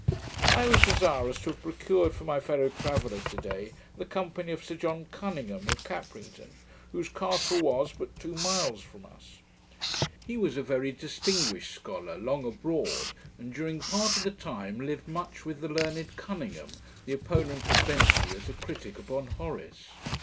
I was desirous to have procured for my fellow traveller, to day, the company of Sir John Cuninghame, of Caprington, whose castle was but two miles from us. He was a very distinguished scholar, long abroad, and during part of the time lived much with the learned Cuninghame, the opponent of Bentley as a critick upon Horace.